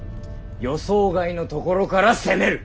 予想外の所から攻める。